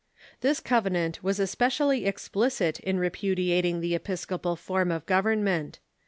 This covenant was especially explicit in repudiating the episcopal form of government.